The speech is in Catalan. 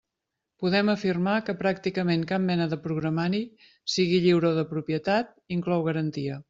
Podem afirmar que pràcticament cap mena de programari, sigui lliure o de propietat, inclou garantia.